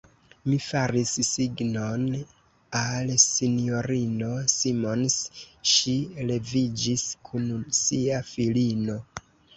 Mi faris signon al S-ino Simons: ŝi leviĝis kun sia filino.